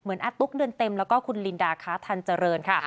อาตุ๊กเดือนเต็มแล้วก็คุณลินดาค้าทันเจริญค่ะ